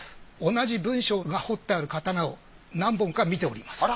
同じ文章が彫ってある刀を何本か見ております。